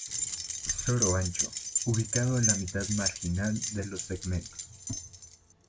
Soro ancho, ubicado en la mitad marginal de los segmentos.